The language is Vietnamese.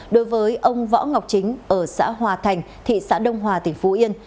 đối với ông võ ngọc chính ở xã hòa thành thị xã đông hòa tỉnh phú yên